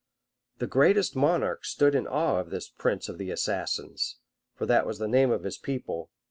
The greatest monarchs stood in awe of this prince of the assassins, (for that was the name of his people.